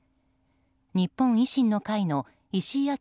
日本維新の会の石井章